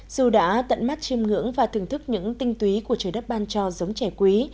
dù đã tận mắt chiêm ngưỡng và thưởng thức những tinh túy của trời đất ban cho giống trẻ quý